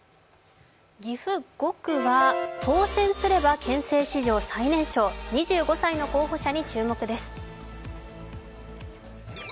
岐阜５区は当選すれば憲政史上最年少２５歳の候補者に注目です。